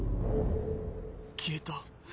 消えた。